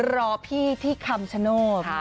รอพี่ที่คำชโนธ